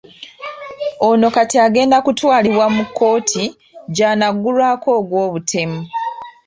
Ono kati agenda kutwalibwa mu kkooti gy'anaggulwako ogw'obutemu.